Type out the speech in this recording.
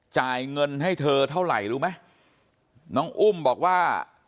จ่ายเงินให้เธอเท่าไหร่รู้ไหมน้องอุ้มบอกว่า